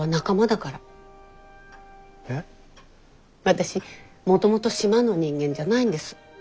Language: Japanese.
私もともと島の人間じゃないんです。